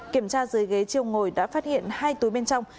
kiểm tra dưới ghế chiều ngồi đã phát hiện hai túi bên trong